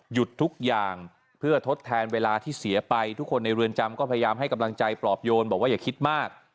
ทุกอย่างเพื่อทดแทนเวลาที่เสียไปทุกคนในเรือนจำก็พยายามให้กำลังใจปลอบโยนบอกว่าอย่าคิดมาก